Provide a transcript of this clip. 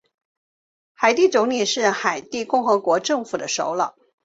海地总理是海地共和国政府的首脑。